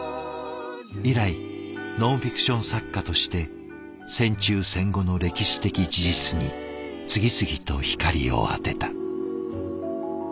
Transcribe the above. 以来ノンフィクション作家として戦中戦後の歴史的事実に次々と光を当てた。